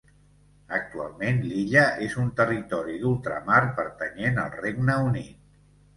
Actualment, l'illa és un territori d'ultramar pertanyent al Regne Unit.